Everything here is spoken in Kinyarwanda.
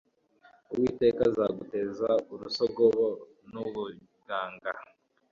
Uwiteka azaguteza urusogobo n ubuganga